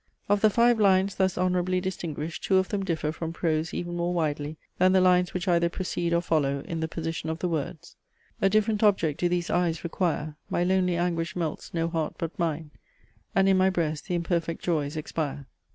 Of the five lines thus honourably distinguished, two of them differ from prose even more widely, than the lines which either precede or follow, in the position of the words. "A different object do these eyes require; My lonely anguish melts no heart but mine; And in my breast the imperfect joys expire."